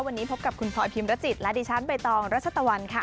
วันนี้พบกับคุณพลอยพิมรจิตและดิฉันใบตองรัชตะวันค่ะ